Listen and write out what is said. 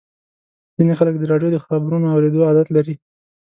ځینې خلک د راډیو د خبرونو اورېدو عادت لري.